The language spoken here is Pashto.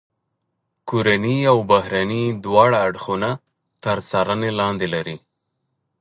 کورني او بهرني دواړه اړخونه تر څارنې لاندې لري.